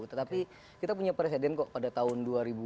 tetapi kita punya presiden kok pada tahun dua ribu empat belas